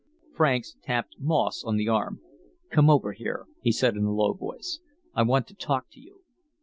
Franks tapped Moss on the arm. "Come over here," he said in a low voice. "I want to talk to you."